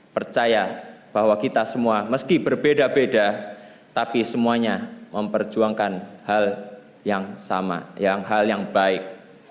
percaya bahwa kita semua meski berbeda beda tapi semuanya memperjuangkan hal yang sama hal yang baik